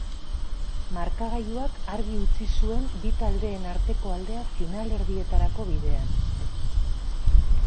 Markagailuak argi utzi zuen bi taldeen arteko aldea, finalerdietarako bidean.